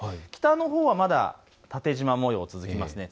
北のほうはまだ縦じま模様が続きます。